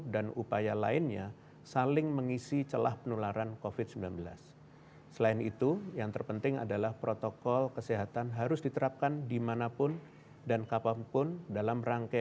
dan screening kesehatan dasar